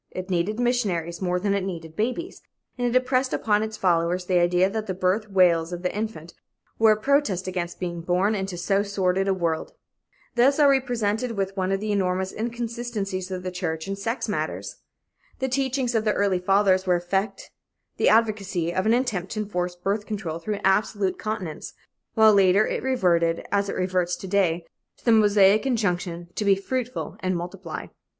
It needed missionaries more than it needed babies, and impressed upon its followers the idea that the birth wails of the infant were a protest against being born into so sordid a world. Thus are we presented with one of the enormous inconsistencies of the church in sex matters. The teachings of the "Early Fathers" were effect the advocacy of an attempt to enforce birth control through absolute continence, while later it reverted, as it reverts to day, to the Mosaic injunction to "be fruitful and multiply."